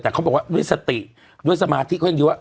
แต่เขาบอกว่าด้วยสติด้วยสมาธิเขายังดีว่า